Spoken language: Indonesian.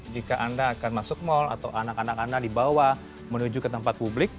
jika anda akan masuk mal atau anak anak anda dibawa menuju ke tempat publik